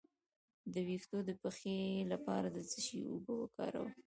د ویښتو د پخې لپاره د څه شي اوبه وکاروم؟